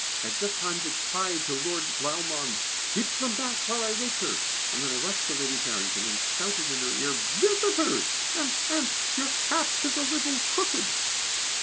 I had just time to cry to Lord Valmond, "Keep them back while I wake her!" and then I rushed to Lady Farrington, and shouted in her ear, "Visitors! and and your cap is a little crooked!"